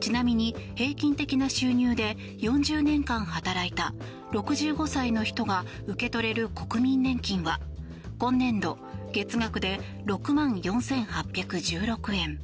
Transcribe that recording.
ちなみに平均的な収入で４０年間働いた６５歳の人が受け取れる国民年金は今年度、月額で６万４８１６円。